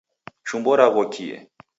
Chumbo raghokie.